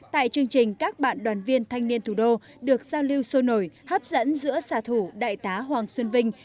tại chương trình các bạn đoàn viên thanh niên thủ đô được giao lưu sôi nổi hấp dẫn giữa sà thủ đại tá hoàng xuân vinh